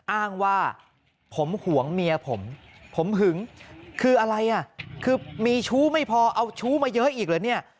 อ้างว่าผมห่วงเมียผมผมหึงคืออะไรอ่ะคือมีชู้ไม่พอเอาชู้มาเยอะอีกเหรอเนี่ย